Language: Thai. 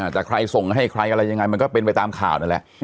แต่ใครส่งให้ใครอะไรยังไงมันก็เป็นไปตามข่าวนั่นแหละ